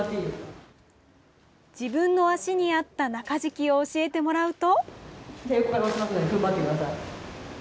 自分の足に合った中敷きを教えてもらうと。